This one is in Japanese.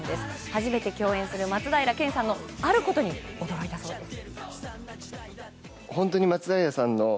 初めて共演する松平健さんの、あることに驚いたそうです。